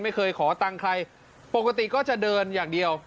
ไม่เคยขอตังค์ใครปกติก็จะเดินอย่างเดียว